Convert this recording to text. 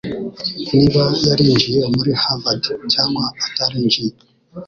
niba yarinjiye muri Harvard cyangwa atarinjiye